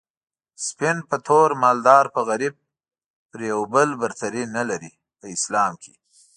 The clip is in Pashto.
سپين په تور مالدار په غريب پر يو بل برتري نلري په اسلام کي